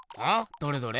どれどれ。